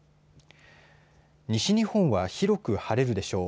西日本は広く晴れるでしょう。